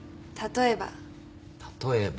例えば？